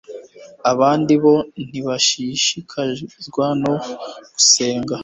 abandi bo ntibashishikazwa no gusenga